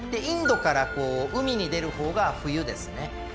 インドから海に出る方が冬ですね。